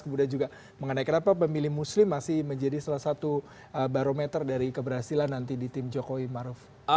kemudian juga mengenai kenapa pemilih muslim masih menjadi salah satu barometer dari keberhasilan nanti di tim jokowi maruf